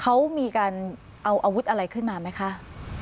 เขามีการเอาอาวุธอะไรขึ้นมาไหมคะ